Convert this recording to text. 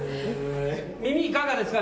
耳、いかがですか？